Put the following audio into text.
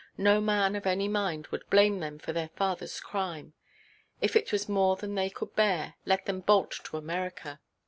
No man of any mind would blame them for their fatherʼs crime. If it was more than they could bear, let them bolt to America.